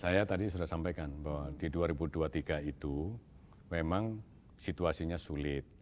saya tadi sudah sampaikan bahwa di dua ribu dua puluh tiga itu memang situasinya sulit